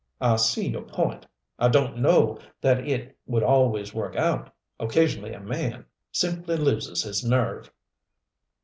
"I see your point. I don't know that it would always work out. Occasionally a man simply loses his nerve."